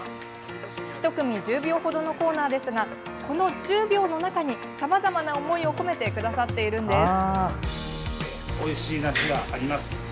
１組１０秒ほどのコーナーですがこの１０秒の中にさまざまな思いを込めてくださっているんです。